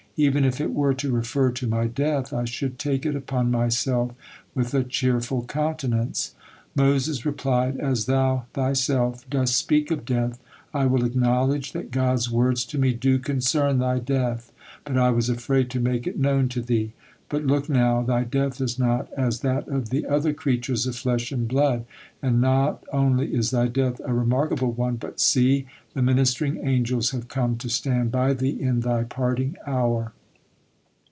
Even if it were to refer to my death, I should take it upon myself with a cheerful countenance." Moses replied: "As thou thyself dost speak of death, I will acknowledge that God's words to me do concern thy death, but I was afraid to make it known to thee. But look now, thy death is not as that of the other creatures of flesh and blood; and not only is thy death a remarkable one, but see! The ministering angels have come to stand by thee in thy parting hour."